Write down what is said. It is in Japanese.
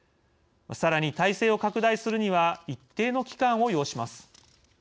さらに、体制を拡大するには一定の期間を要します。